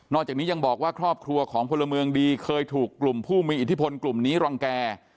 จากนี้ยังบอกว่าครอบครัวของพลเมืองดีเคยถูกกลุ่มผู้มีอิทธิพลกลุ่มนี้รังแก่